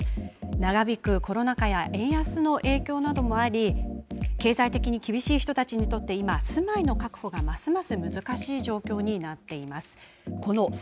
長引くコロナ禍や円安の影響などもあり、経済的に厳しい人たちにとって今、住まいの確保がますます難しい状況になっています。